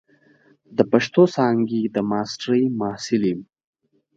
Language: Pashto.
د پښتو څانګې د ماسترۍ محصل یم.